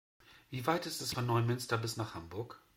Wie weit ist es von Neumünster bis nach Hamburg?